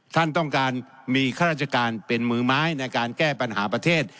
ท่านต้องการมีข้าราชการเป็นมือไม้ในการแก้ปัญหาประเทศ